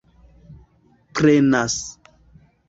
prenas